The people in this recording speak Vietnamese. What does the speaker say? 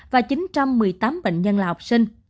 và chín trăm một mươi tám bệnh nhân là học sinh